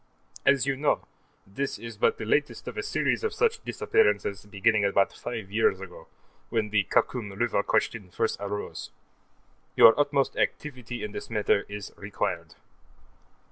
As you know, this is but the latest of a series of such disappearances, beginning about five years ago, when the Khakum River question first arose. Your utmost activity in this matter is required.